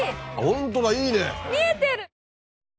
ホントだいいね！